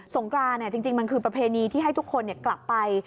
งกรานจริงมันคือประเพณีที่ให้ทุกคนกลับไป